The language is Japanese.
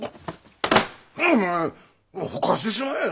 何やお前ほかしてしまえ！